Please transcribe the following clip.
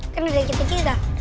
kan udah gitu gitu ways